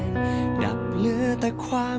มีต่อประสบกันที่ก่อนทั่วทั้งแผ่นดินค่ะ